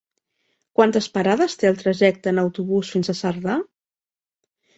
Quantes parades té el trajecte en autobús fins a Cerdà?